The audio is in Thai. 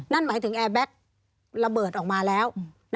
นั่นหมายถึงแอร์แบ็คระเบิดออกมาแล้ว